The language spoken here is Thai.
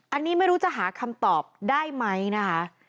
อันนี้ไม่รู้จะหาคำตอบได้ไหมนะคะ